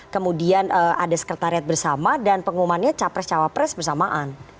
kemudian ada sekretariat bersama dan pengumumannya capres cawapres bersamaan